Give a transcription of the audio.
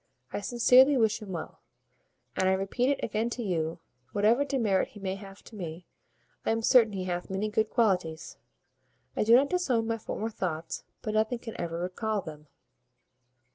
I sincerely wish him well; and I repeat it again to you, whatever demerit he may have to me, I am certain he hath many good qualities. I do not disown my former thoughts; but nothing can ever recal them.